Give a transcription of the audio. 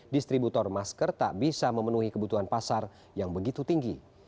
distributor masker tak bisa memenuhi kebutuhan pasar yang begitu tinggi